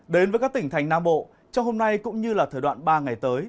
đến với các tỉnh thành nam bộ trong hôm nay cũng như là thời đoạn ba ngày tới